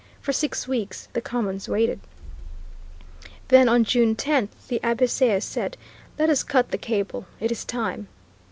For six weeks the Commons waited. Then on June 10, the Abbé Sieyès said, "Let us cut the cable. It is time."